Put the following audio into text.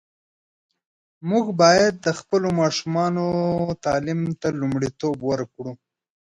موږ باید د خپلو ماشومانو تعلیم ته لومړیتوب ورکړو.